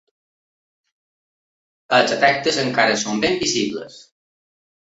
Els efectes encara són ben visibles.